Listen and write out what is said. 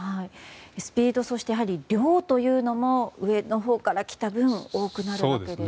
スピード、そして量というのも上のほうから来た分多くなるということですよね。